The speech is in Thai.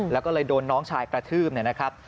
แล้วก็เลยโดนน้องชายกระทืบเนี่ยนะครับ